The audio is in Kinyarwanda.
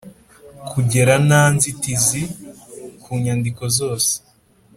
kugera nta nzitizi ku nyandiko zose